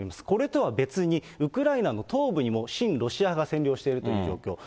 これとは別に、ウクライナの東部にも親ロシア派が占領しているという状況。